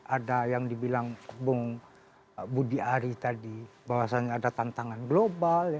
ada yang dibilang bung budi ari tadi bahwasannya ada tantangan global